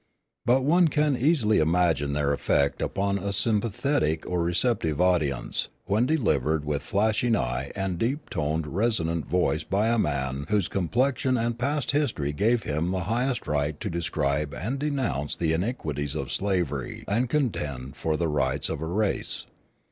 But one can easily imagine their effect upon a sympathetic or receptive audience, when delivered with flashing eye and deep toned resonant voice by a man whose complexion and past history gave him the highest right to describe and denounce the iniquities of slavery and contend for the rights of a race.